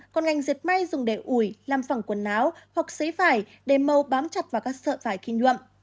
còn ngành diệt may dùng để ủi làm phẳng quần áo hoặc xấy vải để màu bám chặt vào các sợ vải khin nhuộm